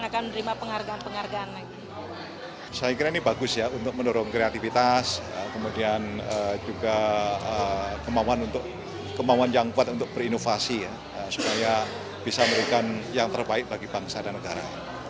kemauan yang kuat untuk berinovasi supaya bisa memberikan yang terbaik bagi bangsa dan negara